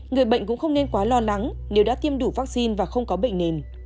người bệnh cũng không nên quá lo lắng nếu đã tiêm đủ vaccine và không có bệnh nền